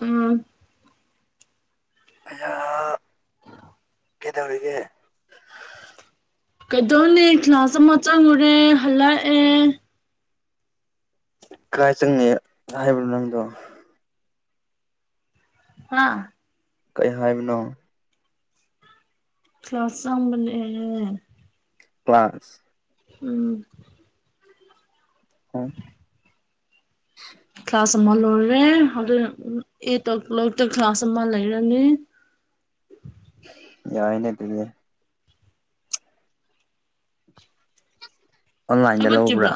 ꯎꯝ ꯑꯩꯌꯥ ꯀꯩꯗꯧꯔꯤꯒꯦ ꯀꯩꯗꯧꯅꯦ ꯀ꯭ꯂꯥꯁ ꯑꯃ ꯆꯪꯉꯨꯔꯦ ꯍꯜꯂꯛꯑꯦ ꯀꯥꯏ ꯆꯪꯉꯤ ꯍꯥꯏꯕꯅꯣ ꯅꯪꯗꯣ ꯍꯥ ꯀꯩ ꯍꯥꯏꯕꯅꯣ ꯀ꯭ꯂꯥꯁ ꯆꯪꯕꯅꯦ ꯀ꯭ꯂꯥꯁ ꯎꯝ ꯍꯨꯡ꯫ ꯀ꯭ꯂꯥꯁ ꯑꯃ ꯂꯣꯏꯔꯦ ꯑꯗꯨ ꯑꯩꯠ ꯑꯣ ꯀ꯭ꯂꯣꯛꯇ ꯀ꯭ꯂꯥꯁ ꯑꯃ ꯂꯩꯔꯅꯤ꯫ ꯌꯥꯏꯅꯦ [unintelligible] ꯑꯣꯟꯂꯥꯏꯟꯗ ꯂꯧꯕ꯭ꯔꯥ ꯍꯧꯒꯠꯇ꯭ꯔꯤꯕ꯭ꯔꯣ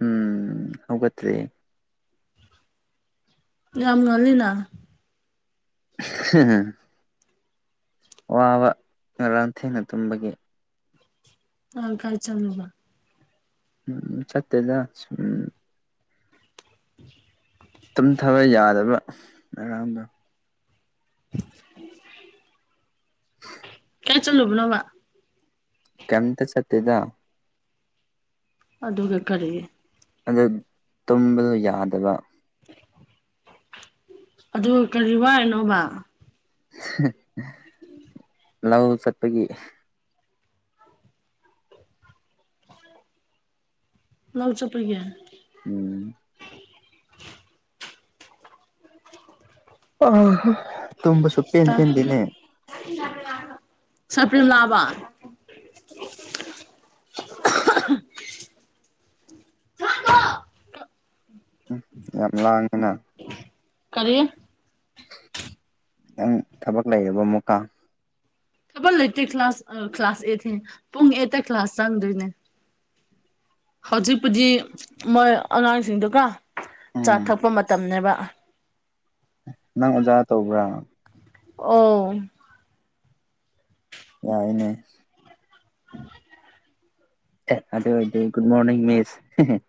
ꯎꯝ ꯍꯧꯒꯠꯇ꯭ꯔꯤ꯫ ꯌꯥꯝ ꯉꯟꯂꯤꯅ꯫ ꯑꯍꯥ꯫ ꯋꯥꯕ ꯉꯔꯥꯡ ꯊꯦꯡꯅ ꯇꯨꯝꯕꯒꯤ꯫ ꯉꯥꯡ ꯀꯥꯢ ꯆꯜꯂꯨꯕ꯫ ꯎꯝ ꯆꯠꯇꯦꯗ ꯁꯨꯝ꯫ [inaudible] ꯇꯨꯝꯊꯕ ꯌꯥꯗꯕ ꯉꯔꯥꯡꯗꯣ꯫ ꯀꯥꯢ ꯆꯜꯂꯨꯕ ꯅꯣꯕ꯫ ꯀꯩꯝꯇ ꯆꯠꯇꯦꯗ꯫ ꯑꯗꯨꯒ ꯀꯔꯤꯒꯤ꯫ ꯑꯗ ꯇꯨꯝꯕꯗꯨ ꯌꯥꯗꯕ꯫ [inaudible] ꯑꯗꯨ ꯀꯔꯤ ꯋꯥꯢꯅꯣꯕ꯫ ꯂꯧ ꯆꯠꯄꯒꯤ꯫ ꯂꯧ ꯆꯄꯒꯤ꯫ ꯎꯝ꯫ ꯑꯣꯍꯣ꯫ [unintelligible] ꯁꯇꯤꯜ ꯂꯥꯛꯑꯕ꯫ ꯎꯝ ꯌꯥꯝ ꯂꯥꯡꯉꯦꯅ꯫ ꯀꯔꯤ꯫ ꯅꯪ ꯊꯕꯛ ꯂꯩꯌꯦꯕ ꯑꯃꯨꯛꯀ꯫ ꯊꯕꯛ ꯂꯩꯇꯦ ꯀ꯭ꯂꯥꯁ ꯑ ꯀ꯭ꯂꯥꯁ ꯑꯦꯠꯁꯦ ꯄꯨꯡ ꯑꯦꯠꯇ ꯀ꯭ꯂꯥꯁ ꯆꯪꯗꯣꯏꯅꯦ꯫ ꯍꯧꯖꯤꯛꯄꯨꯗꯤ ꯃꯣꯏ ꯑꯉꯥꯡꯁꯤꯡꯗꯨ ꯀꯣ ꯆꯥ ꯎꯝ ꯊꯛꯄ ꯃꯇꯝꯅꯦꯕ꯫ ꯅꯪ ꯑꯣꯖꯥ ꯇꯧꯕ꯭ꯔꯥ꯫ ꯑꯣ꯫ ꯌꯥꯏꯅꯦ꯫ ꯑꯦ ꯑꯗꯨ ꯑꯣꯏꯗꯤ ꯒꯨꯗ ꯃꯣꯔꯅꯤꯡ ꯃꯤꯁ꯫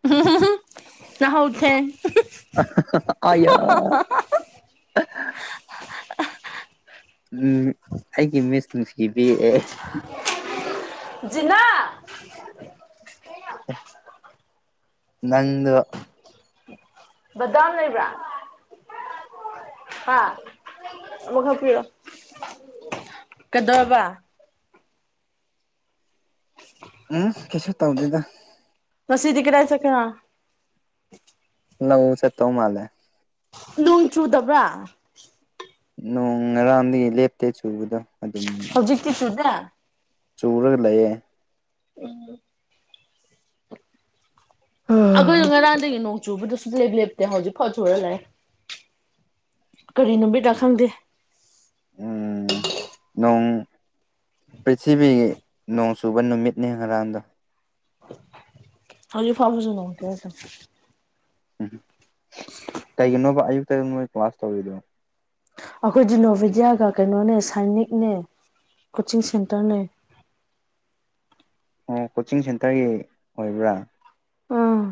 [unintelligible] ꯂꯍꯧꯊꯦꯡ꯫ ꯑ [unintelligible] [unintelligible] ꯎꯝ ꯑꯩꯒꯤ ꯃꯤꯁ ꯅꯨꯡꯁꯤꯕꯤ ꯑꯦ ꯖꯤꯅꯥ ꯅꯥꯪꯗꯣ ꯗꯥꯗꯥ ꯂꯩꯕ꯭ꯔꯥ ꯍꯥ [unintelligible] ꯀꯩꯗꯧꯔꯕ ꯎꯝ ꯀꯔꯤꯁꯨ ꯇꯥꯎꯗꯦ ꯗꯥ ꯃꯁꯤꯗꯤ ꯀꯔꯏ ꯁꯅ ꯂ ꯆꯦꯠꯇꯧ ꯃꯥꯂꯦ ꯅꯣꯡ ꯆꯨꯗꯕ꯭ꯔꯥ ꯅꯣꯡ ꯉꯔꯥꯡꯗꯒꯤ ꯂꯦꯞꯇꯦ ꯆꯨꯕꯗꯣ ꯑꯗꯨꯝ ꯍꯧꯖꯤꯛꯇꯤ ꯆꯨꯗꯦ ꯆꯨꯔꯒ ꯂꯩꯌꯦ ꯎꯝ ꯑꯩꯈꯣꯏꯗ ꯉꯔꯥꯡꯗꯒꯤ ꯅꯣꯡ ꯆꯨꯕꯗꯁꯨ ꯂꯦꯞ ꯂꯦꯞ ꯇꯦꯝꯣ ꯍꯧꯖꯤꯛꯐꯥꯎ ꯁꯨꯔ ꯂꯥꯛꯑꯦ ꯀꯔꯤ ꯅꯨꯃꯤꯗ ꯈꯪꯗꯦ ꯎꯝ ꯅꯣꯡ ꯄ꯭ꯔꯤꯊꯤꯕꯤꯒꯤ ꯅꯣꯡ ꯆꯨꯕ ꯅꯨꯃꯤꯠꯅꯤ ꯉꯔꯥꯡꯗꯣ ꯍꯧꯖꯤꯛ ꯐꯥꯎ ꯍꯧꯁꯨꯅꯣꯡ ꯀꯦꯗ ꯎꯝ ꯀꯩꯒꯤꯅꯣꯕ ꯑꯌꯨꯛꯇꯛ ꯅꯣꯏ ꯀ꯭ꯂꯥꯁ ꯇꯧꯔꯤꯗꯣ ꯑꯩꯈꯣꯏ ꯗꯤ ꯅꯣꯚꯦꯗꯤꯌꯥꯒ ꯀꯩꯅꯣꯅꯦ ꯁꯥꯏꯅꯤꯛꯅꯦ ꯀꯣꯆꯤꯡ ꯁꯦꯟꯇꯔꯅꯦ ꯑꯣ ꯀꯣꯆꯤꯡ ꯁꯦꯟꯇꯔꯒꯤ ꯑꯣꯏꯕ꯭ꯔꯥ ꯎꯝ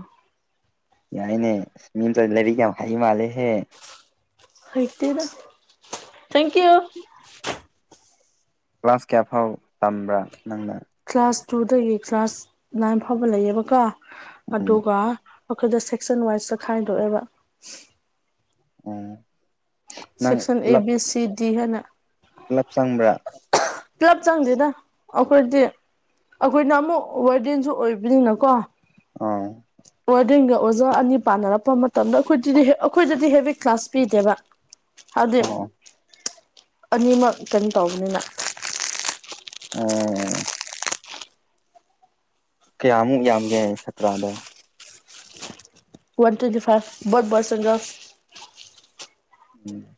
ꯌꯥꯏꯅꯦ ꯃꯤꯇ ꯂꯩꯔꯤ ꯀ ꯌꯥꯝ ꯍꯩ ꯃꯥꯜꯂꯦꯍꯦ ꯍꯥꯏꯇꯦꯔ ꯊꯦꯡꯀ ꯌꯨ ꯀ꯭ꯂꯥꯁ ꯀꯌꯥ ꯐꯥꯎ ꯇꯝꯕ꯭ꯔꯥ ꯅꯪꯅ ꯀ꯭ꯂꯥꯁ ꯇꯨꯗꯒꯤ ꯀ꯭ꯂꯥꯁ ꯅꯥꯏꯟ ꯐꯥꯎꯕ ꯂꯩꯌꯦꯕꯀꯣ ꯎꯝ ꯑꯗꯨꯒ ꯑꯩꯈꯣꯏꯗ ꯁꯦꯛꯁꯟ ꯋꯥꯏꯁꯇ ꯈꯥꯏꯗꯣꯛꯑꯦꯕ ꯑꯣ ꯁꯦꯛꯁꯟ ꯑꯦ ꯕꯤ ꯁꯤ ꯗꯤ ꯍꯥꯏꯅ ꯂꯞꯁꯪꯕ꯭ꯔꯥ ꯄꯨꯂꯞ ꯆꯪꯗꯦꯅ ꯑꯩꯈꯣꯏꯗꯤ ꯑꯩꯈꯣꯏꯅ ꯑꯃꯨꯛ ꯋꯥꯔꯦꯟꯁꯨ ꯑꯣꯏꯕꯅꯤꯅꯀꯣ ꯑꯣ ꯑꯣꯔꯗ꯭ꯔꯤꯡꯒ ꯑꯣꯖꯥ ꯑꯅꯤ ꯄꯥꯟꯅꯔꯛꯄ ꯃꯇꯝꯗ ꯑꯩꯈꯣꯏꯗꯗꯤ ꯑꯩꯈꯣꯏꯗꯗꯤ ꯍꯦꯚ ꯀ꯭ꯂꯥꯁ ꯄꯤꯗꯦꯕ ꯍꯥꯏꯗꯤ ꯎꯝ ꯑꯣ ꯑꯅꯤꯃꯛ ꯀꯩꯅꯣ ꯇꯧꯕꯅꯤꯅ ꯑꯣꯝ ꯀꯌꯥꯃꯨꯛ ꯌꯥꯝꯒꯦ ꯁꯇ꯭ꯔꯥꯗ ꯋꯥꯟ ꯇ꯭ꯋꯦꯟꯇꯤ ꯐꯥꯏꯚ ꯠ ꯔ ꯁꯒ ꯎꯝ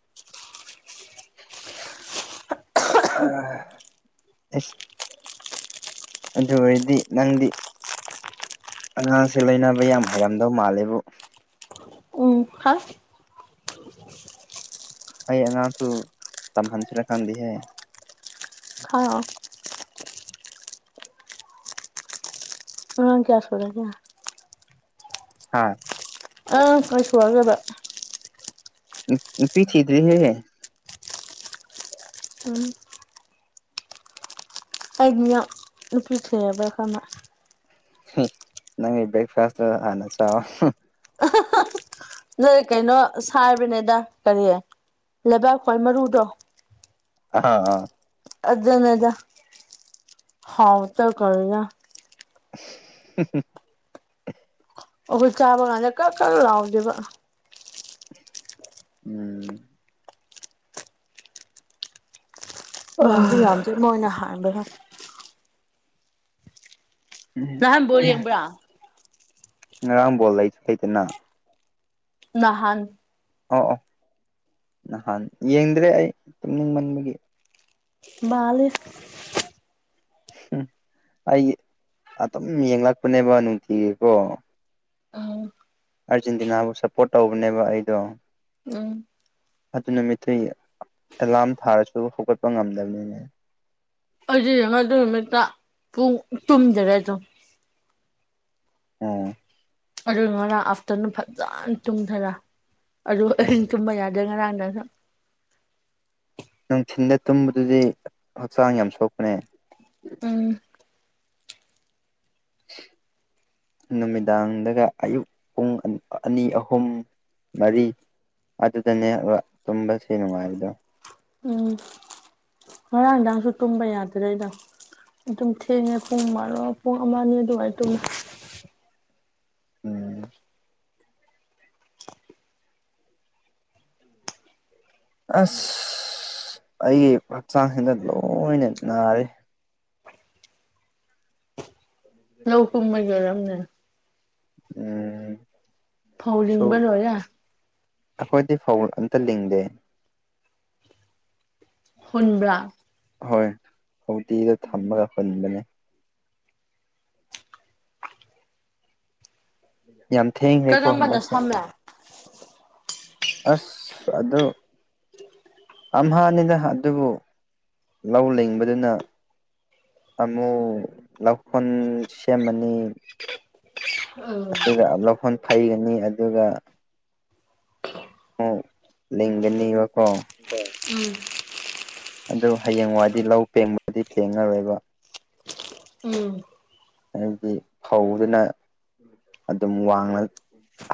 ꯑ ꯑꯗꯨ ꯑꯣꯏꯔꯗꯤ ꯅꯪꯗꯤ ꯑꯉꯥꯡꯁꯦ ꯂꯩꯅꯕ ꯌꯥꯝ ꯍꯩꯔꯝꯗꯧ ꯃꯥꯜꯂꯦꯕꯨ ꯎ ꯍꯥꯁ ꯑꯩ ꯑꯉꯥꯡꯁꯨ ꯇꯝꯍꯟꯁꯤꯔꯀꯥꯟꯗꯤꯍꯦ ꯈ ꯑ ꯀꯌꯥ ꯁꯗ ꯀꯌꯥ ꯍꯥꯥ ꯑ ꯀꯥꯏꯁꯨꯋꯥꯒꯗ ꯄꯤꯆꯗ꯭ꯔꯦꯦꯍꯦ ꯎꯝ ꯍꯥꯏꯥꯏꯗꯤ ꯌꯥꯝ ꯅꯨꯄꯤꯈꯦꯕ ꯈꯅ ꯅꯪ ꯭ꯔꯦꯛꯦꯛꯐꯥꯁ ꯍꯅ ꯆ ꯅ ꯀꯩꯅꯣ ꯁꯥꯕꯅꯦꯗ ꯀꯔꯤ ꯂꯩꯕꯥꯛ ꯈ꯭ꯋꯥꯏ ꯃꯔꯨꯗꯣ ꯑꯍꯥꯑ ꯑꯗꯅꯦꯗ ꯍꯥꯎ ꯇ ꯀꯔꯤꯔꯥ [unintelligible] ꯑꯈꯣꯏ ꯆꯥꯕ ꯀꯥꯟꯗ ꯀꯟꯀꯟ ꯂꯥꯎꯗꯦꯕ ꯎꯝ ꯌꯥꯝꯁꯨ ꯌꯥꯝꯇꯦ ꯃꯣꯏꯅ ꯍꯥꯟꯕꯗꯣ ꯑꯝ ꯕꯣꯜ ꯌꯦꯡꯕ꯭ꯔꯥ ꯉꯔꯥꯡ ꯕꯣꯜ ꯂꯩꯁꯨ ꯂꯥꯇꯅꯥ ꯅꯥꯍꯟ ꯑꯣ ꯑꯣ ꯅꯍꯥꯟ ꯌꯦꯡꯗ꯭ꯔꯦ ꯑꯩ ꯇꯨꯝꯅꯤꯡ ꯃꯟꯕꯒꯤ ꯃꯥꯜꯂꯤꯞ ꯎꯝ ꯑꯩ ꯑꯗꯨꯝ ꯌꯦꯡꯂꯛꯄꯅꯦꯕ ꯅꯨꯡꯇꯤꯒꯤꯀꯣ ꯎꯝ ꯑꯥꯔꯖꯦꯟꯇꯤꯅꯥꯕꯨ ꯁꯞꯄꯣꯔꯠ ꯇꯧꯕꯅꯦꯕ ꯑꯩꯗꯣ ꯎꯝ ꯑꯗꯨ ꯅꯨꯃꯤꯠꯇꯤꯑꯦꯂꯥꯔꯝ ꯊꯥꯔꯁꯨ ꯍꯧꯒꯠꯄ ꯉꯝꯗꯕꯅꯤꯅꯦ ꯑꯩꯗꯤ ꯌꯦꯡꯉꯒ ꯑꯗꯨꯏ ꯅꯨꯃꯤꯠꯇ ꯄꯨꯡ ꯇꯨꯝꯗꯔꯦ ꯑꯗꯨꯝ ꯑꯥ ꯑꯗꯨ ꯉꯔꯥꯡ ꯑꯥꯐꯇꯔꯅꯨꯟ ꯐꯖꯅ ꯇꯨꯝꯊꯔꯥ ꯑꯗꯨ ꯑꯁ ꯑꯍꯤꯡ ꯇꯨꯝꯕ ꯌꯥꯗ꯭ꯔꯦ ꯉꯔꯥꯡ ꯗꯥꯡꯁꯨ ꯅꯨꯡꯊꯤꯟꯗ ꯇꯨꯝꯕꯗꯨꯗꯤ ꯍꯛꯆꯥꯡ ꯌꯥꯝ ꯁꯣꯛꯄꯅꯦ ꯎꯝ [unintelligible] ꯅꯨꯃꯤꯗꯥꯡꯗꯒ ꯑꯌꯨꯛ ꯄꯨꯡ ꯑ ꯑꯅꯤ ꯑꯍꯨꯝ ꯃꯔꯤ ꯑꯗꯨꯗꯅꯦꯕ ꯇꯨꯝꯕꯁꯦ ꯅꯨꯡꯉꯥꯏꯕꯗꯣ ꯎꯝ ꯉꯔꯥꯡꯗꯥꯡꯁꯨ ꯇꯨꯝꯕ ꯌꯥꯗ꯭ꯔꯦꯗ ꯑꯗꯨꯝ ꯊꯦꯡꯉꯦ ꯄꯨꯡ ꯃꯥꯔꯣ ꯄꯨꯡ ꯑꯃ ꯑꯅꯤ ꯑꯗꯨꯋꯥꯏ ꯇꯨꯝꯃꯦ ꯎꯝ [inaudible] ꯑꯁ ꯑꯩꯒꯤ ꯍꯛꯆꯥꯡꯁꯤꯅ ꯂꯣꯏꯅ ꯅꯥꯔꯦ ꯂꯧ ꯀꯨꯝꯕꯒꯤ ꯑꯣꯏꯔꯝꯅꯦ ꯎꯝ ꯐꯧ ꯔꯤꯡꯕ ꯂꯣꯏꯔꯦ ꯑꯈꯣꯏꯗꯤ ꯐꯧ ꯑꯝꯇ ꯂꯤꯡꯗꯦ ꯐꯨꯟꯕ꯭ꯔꯥ ꯍꯣꯏ ꯍꯧꯢꯗꯤꯗ ꯊꯝꯃꯒ ꯍꯨꯟꯕꯅꯦ ꯌꯥꯝ ꯊꯦꯡꯒ꯭ꯔꯦꯀꯣ ꯀꯔꯝꯕꯅ ꯍꯟꯗꯛꯁꯦ ꯁꯝꯃꯦ ꯑꯁ ꯑꯗꯨ ꯑꯝꯍꯥꯟꯅꯤꯅ ꯑꯗꯨꯕꯨ ꯂꯧ ꯂꯤꯡꯕꯗꯅ ꯑꯃꯨꯛ ꯂꯧꯈꯣꯟ ꯁꯦꯝꯃꯅꯤ [unintelligible] ꯑꯗꯨꯒ ꯂꯧꯈꯣꯟ ꯐꯩꯒꯅꯤ ꯑꯗꯨꯒ ꯑꯣ ꯂꯤꯡꯒꯅꯤꯕꯀꯣ ꯑꯗꯨ ꯍꯌꯦꯡꯋꯥꯏꯗꯤ ꯂꯧ ꯄꯦꯡꯕꯗꯤ ꯄꯦꯡꯉꯔꯣꯏꯕ ꯎꯝ ꯍꯥꯏꯕꯗꯤ ꯐꯧꯗꯨꯅ ꯑꯗꯨꯝ ꯋꯥꯡꯅ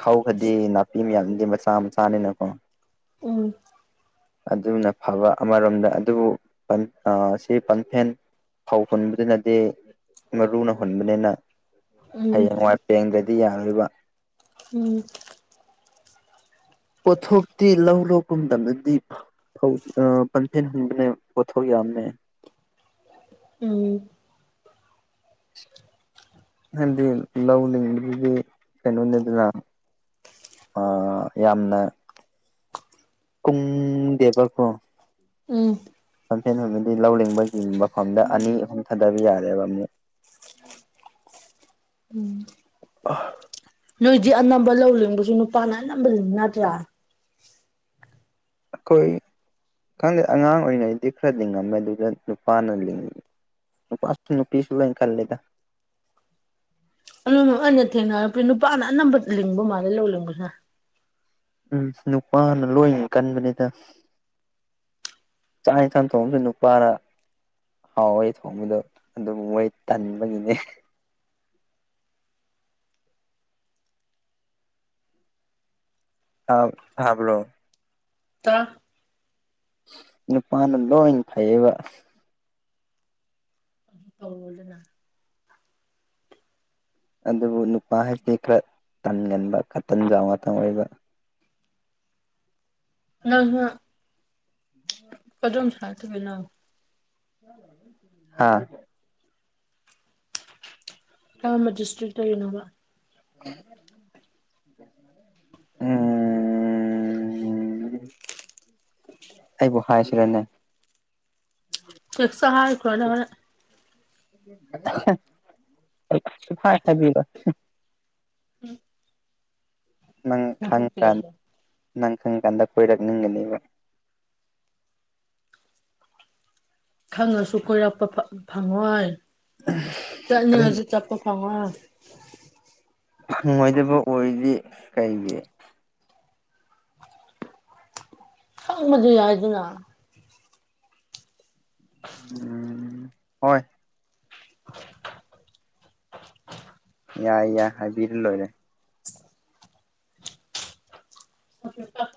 ꯍꯧꯈ꯭ꯔꯗꯤ ꯅꯥꯄꯤ ꯃꯌꯥꯝꯗꯤ ꯃꯆꯥ ꯃꯆꯥꯅꯤꯅꯀꯣ ꯎꯝ ꯑꯗꯨꯅ ꯐꯕ ꯑꯃꯔꯣꯝꯗ ꯑꯗꯨꯕꯨ ꯑ ꯁꯤ ꯄꯟꯐꯦꯟ ꯐꯧ ꯍꯨꯟꯕꯗꯨꯅꯗꯤ ꯃꯔꯨꯅ ꯍꯨꯟꯕꯅꯤꯅ ꯎꯝ ꯍꯌꯦꯡꯋꯥꯏꯄꯦꯡꯗ꯭ꯔꯥꯗꯤ ꯌꯥꯔꯣꯏꯕ ꯎꯝ ꯄꯣꯠꯊꯣꯛꯇꯤ ꯂꯧ ꯂꯣꯛꯀꯨꯝꯗꯗꯤ ꯄꯟꯊꯦꯜ ꯍꯟꯕꯅꯦ ꯄꯣꯊꯧ ꯌꯥꯝꯃꯦ ꯎꯝ ꯍꯥꯏꯕꯗꯤ ꯂꯧꯅꯤꯡꯕꯗꯨꯗꯤ ꯀꯩꯅꯣꯅꯤꯗꯅ ꯌꯥꯝꯅ ꯀꯨꯝ ꯗꯦꯕ ꯀꯣ ꯎꯝ ꯂꯝꯝꯐꯦꯟꯗꯤ ꯂꯧꯅꯤꯡꯤꯡꯕꯒꯤ ꯃꯐꯝꯗ ꯑꯅꯤ ꯑꯍꯨꯝ ꯊꯥꯗꯕ ꯌꯥꯔꯦꯕ ꯑꯃꯨꯛ ꯎꯝ ꯑ ꯅꯣꯏꯗꯤ ꯑꯅꯝꯕ ꯂꯧ ꯂꯤꯡꯕꯁꯨ ꯅꯨꯄꯥꯅ ꯑꯅꯝꯕ ꯂꯤꯡꯅꯇ꯭ꯔꯥ ꯑꯩꯈꯣꯏ ꯈꯪꯗꯦ ꯑꯉꯥꯡ ꯑꯣꯏꯔꯤꯉꯩꯗꯤ ꯈꯔ ꯂꯤꯡꯉꯝꯃꯦ ꯑꯗꯨꯗ ꯅꯨꯄꯥꯅ ꯂꯤꯡꯉ ꯄꯥꯥꯁ ꯅꯨꯄꯤꯁꯨ ꯂꫭꯏꯅ ꯈꯜꯂ‌ꯦꯗ ꯑꯗꯨ ꯑꯩꯅ ꯊꯦꯡꯅꯄ ꯅꯨꯄꯥꯅ ꯑꯅꯝꯕ ꯂꯤꯡꯕ ꯃꯥꯜꯂꯦ ꯂꯧꯅꯤꯡꯕꯁꯤ ꯎꯝ ꯅꯨꯄꯥꯅ ꯂꯣꯏꯅ ꯀꯟꯕꯅꯤꯗ ꯆꯥꯛꯅꯤꯊꯥꯟ ꯊꯣꯡꯕꯁꯨ ꯅꯨꯄꯥꯔꯥ ꯍꯥꯎꯋꯩ ꯊꯣꯡꯕꯗꯣ ꯑꯗꯨꯝ ꯃꯣꯏ ꯇꯟꯕꯒꯤꯅꯦ ꯍꯥ ꯇꯥꯕ꯭ꯔꯣ ꯇ ꯅꯨꯄꯥꯅ ꯂꯣꯏꯅ ꯐꯩꯌꯦꯕ ꯑꯗꯅ ꯑꯗꯨꯕꯨ ꯅꯨꯄꯥ ꯍꯥꯏꯁꯤꯗꯤ ꯈꯔ ꯇꯟꯒꯟꯕ ꯈ ꯇꯟꯖꯎ ꯉꯥꯛꯇ ꯑꯣꯏꯕ ꯅꯪꯅ ꯀꯗꯣꯝ ꯁꯥꯇꯒ ꯅꯪ ꯍꯥꯥ ꯀꯉꯝꯕ ꯗꯤꯁꯇ꯭ꯔꯤꯛꯇ ꯒꯤꯅꯣꯕ ꯎꯝ ꯎ ꯑꯩꯕꯨ ꯍꯥꯏꯥꯁꯤꯔꯦꯅꯦ ꯊꯦꯛ ꯁꯍꯥꯏꯀꯗꯔꯦ ꯐꯥꯏ ꯍꯥꯏꯕꯤꯔꯣ ꯅꯪ ꯈꯪꯉ ꯀꯥꯟ ꯅꯣꯡꯄꯣꯛꯄꯤꯔꯁꯨ ꯅꯪ ꯈꯪ ꯀꯥꯟꯗ ꯀꯣꯏꯔꯛꯅꯤꯡꯒꯅꯦꯕ ꯈꯪꯉꯁꯨ ꯀꯣꯏꯔꯛꯄ ꯐꯪꯉꯣꯏ ꯑꯗꯩ ꯆꯠꯅꯤꯡꯉꯁꯨ ꯆꯠꯄ ꯐꯪꯉꯣꯏ ꯐꯪꯉꯣꯏꯗꯕ ꯑꯣꯏꯔꯗꯤ ꯀꯩꯒꯤ ꯈꯪꯕꯗꯤ ꯌꯥꯏꯗꯅ ꯎ ꯍꯣꯏ [inaudible] ꯌꯥꯏ ꯌꯥꯏ ꯍꯥꯏꯕꯤꯔ ꯂꯣꯏꯔꯦ ꯑꯣ